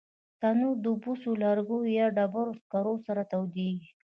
تنور د بوسو، لرګیو یا ډبرو سکرو سره تودېږي